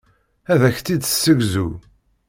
Ad ak-tt-id-tessegzu.